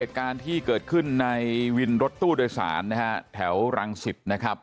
เหตุการณ์ที่เกิดขึ้นในวินรถตู้โดยสารนะฮะแถวรังสิตนะครับ